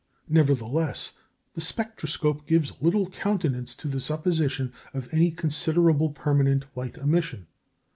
Nevertheless, the spectroscope gives little countenance to the supposition of any considerable permanent light emission.